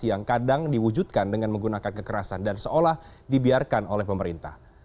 yang kadang diwujudkan dengan menggunakan kekerasan dan seolah dibiarkan oleh pemerintah